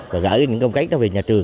và gửi những công kết về nhà trường